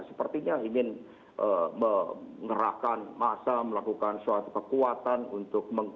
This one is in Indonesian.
sepertinya ingin mengerahkan massa melakukan suatu kekuatan untuk meng